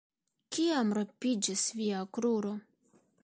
Kiam rompiĝis via kruro?